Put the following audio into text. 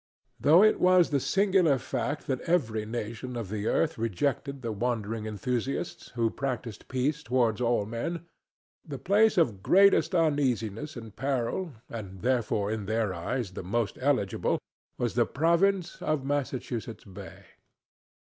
Though it was the singular fact that every nation of the earth rejected the wandering enthusiasts who practised peace toward all men, the place of greatest uneasiness and peril, and therefore in their eyes the most eligible, was the province of Massachusetts Bay.